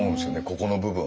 ここの部分。